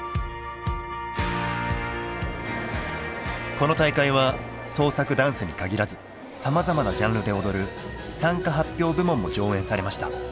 この大会は創作ダンスに限らずさまざまなジャンルで踊る「参加発表部門」も上演されました。